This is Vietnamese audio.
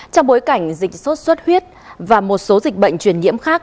trong bối cảnh dịch sốt xuất huyết và một số dịch bệnh truyền nhiễm khác